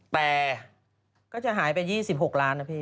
แต่ก็จะหายไป๒๖ล้านนะพี่